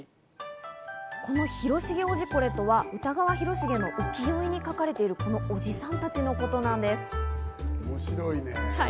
この「広重おじコレ」とは歌川広重の浮世絵に描かれている、このおじさんたちのことです。